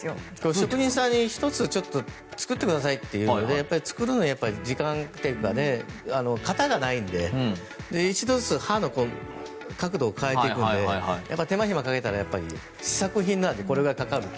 職人さんに１つ作ってくださいというので作るのには、時間というか型がないので１度ずつ刃の角度を変えていくので手間暇をかけたら試作品なのでこれぐらいかかると。